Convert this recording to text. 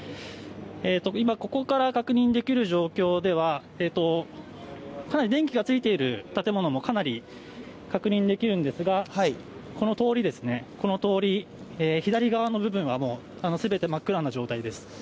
今ここから確認できる状況ではかなり電気がついている建物もかなり確認できるんですが、この通りですね、左側の部分はもうすべて真っ暗な状態です。